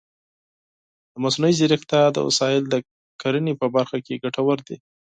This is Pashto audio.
د مصنوعي ځیرکتیا وسایل د کرنې په برخه کې ګټور دي.